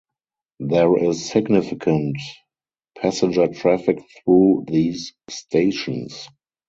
There is significant passenger traffic through these stations.